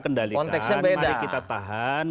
kendalikan konteksnya beda mari kita tahan